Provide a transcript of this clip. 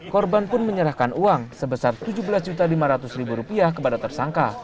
korban pun menyerahkan uang sebesar rp tujuh belas lima ratus kepada tersangka